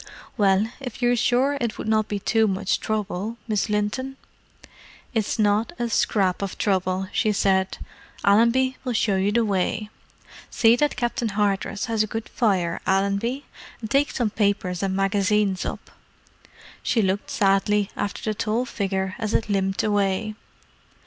"Well, if you're sure it would not be too much trouble, Miss Linton——?" "It's not a scrap of trouble," she said. "Allenby will show you the way. See that Captain Hardress has a good fire, Allenby—and take some papers and magazines up." She looked sadly after the tall figure as it limped away.